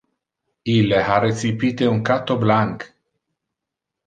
Ille ha recipite un catto blanc.